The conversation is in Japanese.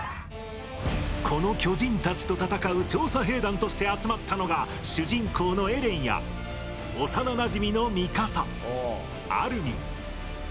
この巨人たちと戦う調査兵団として集まったのが主人公のエレンや幼なじみのミカサ、アルミン。